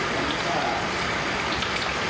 พร้อมทุกสิทธิ์